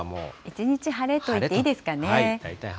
一日晴れと言っていいですかね。